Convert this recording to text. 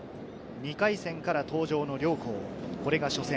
２回戦から登場の両校、これが初戦。